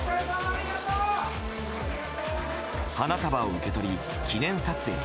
花束を受け取り記念撮影。